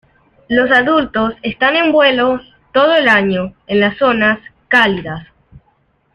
Los adultos están en vuelo de todo el año en las zonas cálidas.